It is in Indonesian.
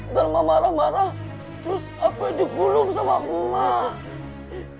nanti emak marah marah terus apoy juga gulung sama emak